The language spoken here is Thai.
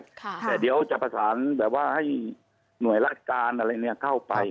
แต่เดี๋ยวจะประสานแบบว่าให้หน่วยราชการอะไรเนี่ยเข้าไป